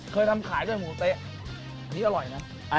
เคยทำขายด้วยหมูเต๊ะอันนี้อร่อยนะ